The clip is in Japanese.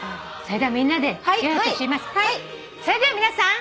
それでは皆さん。